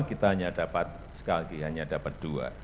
kita hanya dapat sekali lagi hanya dapat dua